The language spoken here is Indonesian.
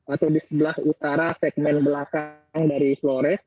atau di sebelah utara segmen belakang dari flores